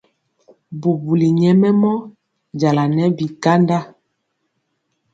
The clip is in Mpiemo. Bubuli nyɛmemɔ jala nɛ bi kanda.